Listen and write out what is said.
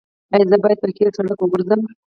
ایا زه باید په قیر سړک وګرځم؟